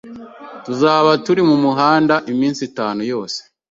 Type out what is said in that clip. Tuzaba turi mumuhanda iminsi itanu yose.